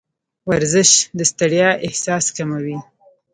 ورزش د ستړیا احساس کموي.